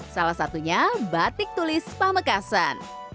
salah satunya batik tulis pamekasan